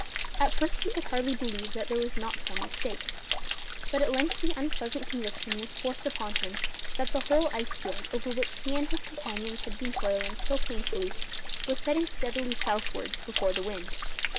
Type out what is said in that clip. At first he could hardly believe that there was not some mistake; but at length the unpleasant conviction was forced upon him that the whole ice field over which he and his companions had been toiling so painfully was setting steadily southwards before the wind.